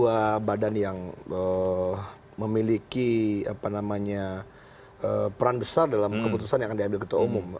dua badan yang memiliki peran besar dalam keputusan yang akan diambil ketua umum